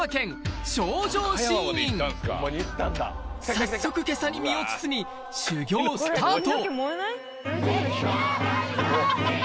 早速袈裟に身を包み修行スタート